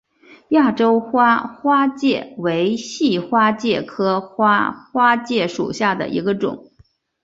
亚洲花花介为细花介科花花介属下的一个种。